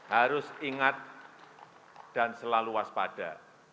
harus ingat dan selalu waspada